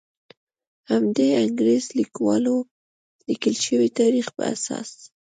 د همدې انګریز لیکوالو لیکل شوي تاریخ په اساس.